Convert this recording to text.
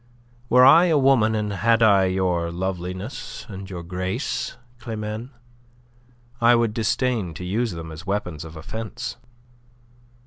Were I a woman and had I your loveliness and your grace, Climene, I should disdain to use them as weapons of offence."